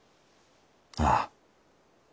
ああ。